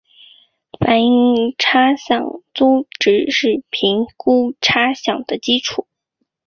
应课差饷租值是评估差饷的基础。